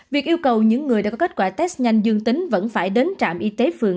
việc yêu cầu những người đã có kết quả test nhanh dương tính vẫn phải đến trạm y tế phường